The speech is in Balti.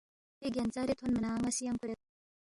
اے گینژارے تھونما نہ ن٘اسی یانگ کُھورید